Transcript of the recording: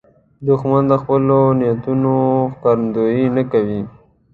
دښمن د خپلو نیتونو ښکارندویي نه کوي